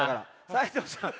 斉藤さん